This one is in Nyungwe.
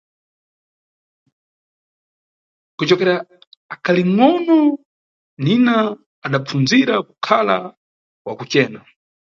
Kucokera akalingʼono, Nina adapfunzira kukhala wa kucena.